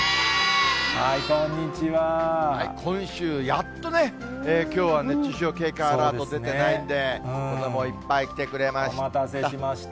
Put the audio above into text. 今週、やっとね、きょうは熱中症警戒アラート出てないんで、お待たせしました。